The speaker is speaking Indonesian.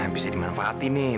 bisa dimanfaati nih